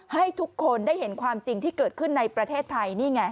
ให้ทุกคนได้เห็นความจริงที่เกิดขึ้นในประเทศไทยนี่ไง